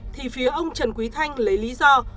thì phía ông trần quý thanh lấy lý do